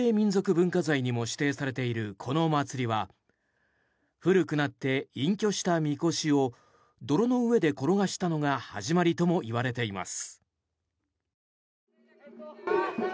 文化財にも指定されているこの祭りは古くなって隠居したみこしを泥の上で転がしたのが始まりともいわれています。